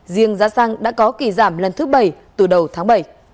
riêng giá xăng đã có kỳ giảm lần thứ bảy từ đầu tháng bảy